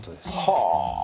はあ！